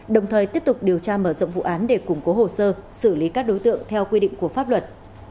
đồng thời tiếp tục điều tra mở rộng vụ án để củng cố hồ sơ xử lý các đối tượng theo quy định của pháp luật